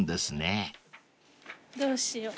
どうしよう。